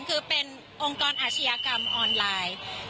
คือเป็นองค์กรอาชญากรรมออนไลน์